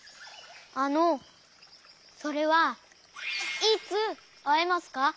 あのそれはいつあえますか？